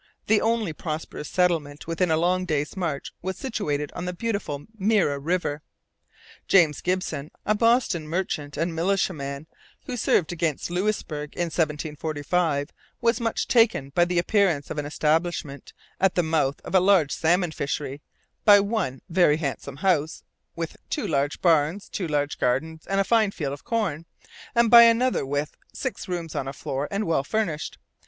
The only prosperous settlement within a long day's march was situated on the beautiful Mira river. James Gibson, a Boston merchant and militiaman, who served against Louisbourg in 1745, was much taken by the appearance of an establishment 'at the mouth of a large salmon fishery,' by one 'very handsome house, with two large barns, two large gardens, and fine fields of corn,' and by another with 'six rooms on a floor and well furnished.'